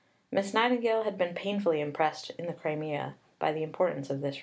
Miss Nightingale had been painfully impressed in the Crimea by the importance of this reform.